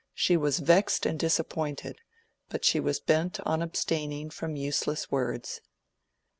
She was vexed and disappointed, but she was bent on abstaining from useless words.